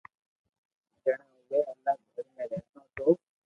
جڻي اووي الگ گھر ۾ رھتو تو